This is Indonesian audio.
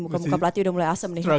muka muka pelatih udah mulai asem nih